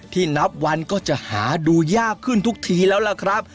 นับวันก็จะหาดูยากขึ้นทุกทีแล้วล่ะครับ